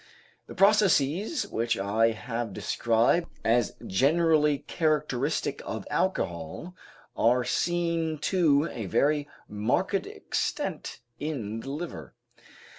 The processes which I have described as generally characteristic of alcohol are seen to a very marked extent in the liver.